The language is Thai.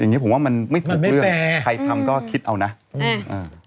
อย่างงี้ผมว่ามันไม่ถูกเรื่องมันไม่แฟร์ใครทำก็คิดเอานะเออ